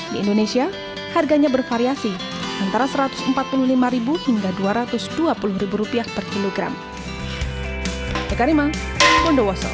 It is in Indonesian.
di indonesia harganya bervariasi antara rp satu ratus empat puluh lima hingga rp dua ratus dua puluh per kilogram